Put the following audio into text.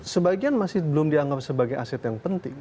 sebagian masih belum dianggap sebagai aset yang penting